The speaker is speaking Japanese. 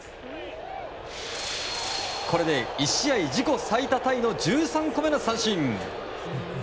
これで１試合自己最多タイの１３個目の三振。